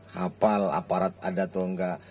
hafal aparat ada atau enggak